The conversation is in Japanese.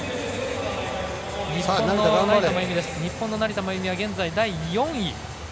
日本の成田真由美は第４位。